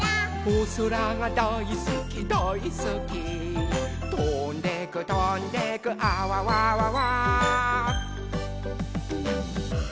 「おそらがだいすきだいすき」「とんでくとんでくあわわわわ」